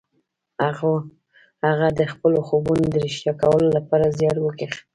هغه د خپلو خوبونو د رښتيا کولو لپاره زيار وکيښ.